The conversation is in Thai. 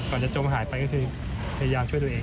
ก่อนจะจมหายไปก็พยายามช่วยตัวเอง